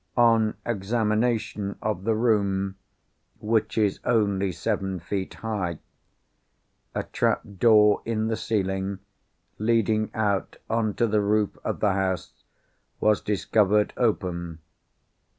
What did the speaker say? On examination of the room (which is only seven feet high), a trap door in the ceiling, leading out on to the roof of the house, was discovered open.